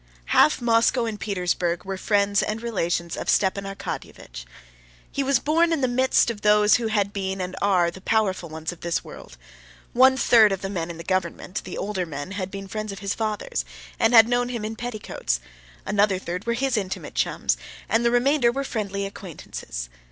Half Moscow and Petersburg were friends and relations of Stepan Arkadyevitch. He was born in the midst of those who had been and are the powerful ones of this world. One third of the men in the government, the older men, had been friends of his father's, and had known him in petticoats; another third were his intimate chums, and the remainder were friendly acquaintances.